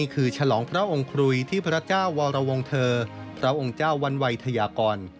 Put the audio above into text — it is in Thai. คือฉลองพระองค์ครุยที่พระเจ้าวรวงเทอร์พระองค์เจ้าวันวัยทยากร